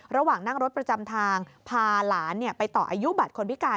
ระหว่างนั่งรถประจำทางพาหลานไปต่ออายุบัตรคนพิการ